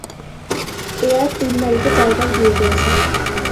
Air তিন নারীকে চারবার বিয়ে করেছেন।